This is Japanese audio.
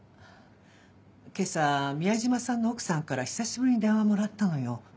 今朝宮島さんの奥さんから久しぶりに電話もらったのよ。